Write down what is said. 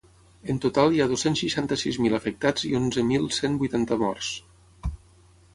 En total hi ha dos-cents seixanta-sis mil afectats i onzen mil cent vuitanta morts.